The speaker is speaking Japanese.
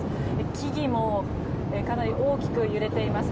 木々もかなり大きく揺れています。